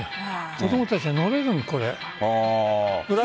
子供たちは乗れるの、これ。